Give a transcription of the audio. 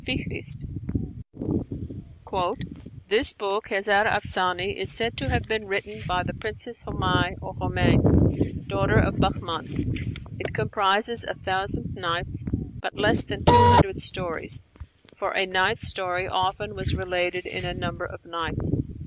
Flügel, page 304): "This book, 'Hezar Afsane,' is said to have been written by the Princess Homai (or Homain), daughter of Bahman. It comprises a Thousand Nights, but less than two hundred stories; for a night story often was related in a number of nights.